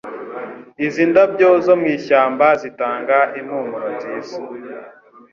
Izi ndabyo zo mwishyamba zitanga impumuro nziza.